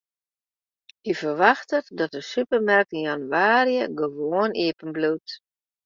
Hy ferwachtet dat de supermerk yn jannewaarje gewoan iepenbliuwt.